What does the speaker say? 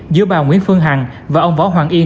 giữa bà nguyễn phương hằng và ông võ hoàng yên